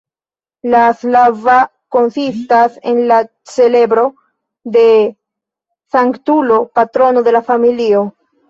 La "slava" konsistas en la celebro de sanktulo patrono de la familio.